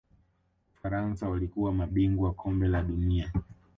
ufaransa walikuwa mabingwa Kombe la dunia